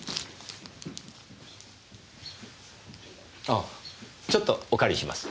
あっちょっとお借りします。